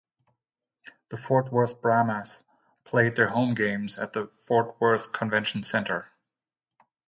The Fort Worth Brahmas played their home games at the Fort Worth Convention Center.